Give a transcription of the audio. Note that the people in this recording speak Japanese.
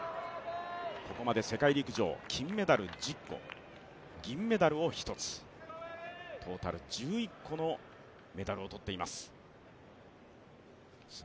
ここまで世界陸上、金メダル１０個、銀メダルを１つ、トータル１１個のメダルを取っています。